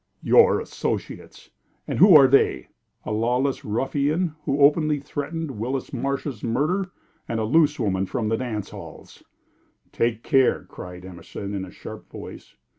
"Your associates! And who are they? A lawless ruffian, who openly threatened Willis Marsh's murder, and a loose woman from the dance halls." "Take care!" cried Emerson, in a sharp voice.